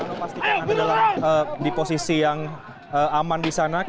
baik vano pastikan anda dalam posisi yang aman di sana